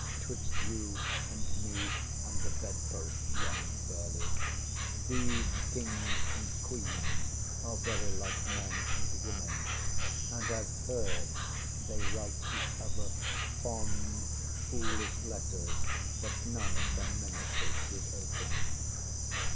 ŌĆśTwixt you and me and the bedpost, young Burleigh, these kings and queens are very like men and women, and IŌĆÖve heard they write each other fond, foolish letters that none of their ministers should open.